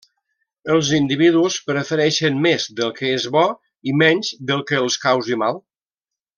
Els individus prefereixen més del que és bo i menys del que els causi mal.